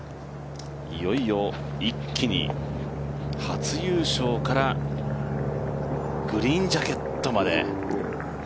いよいよ一気に初優勝からグリーンジャケットまで。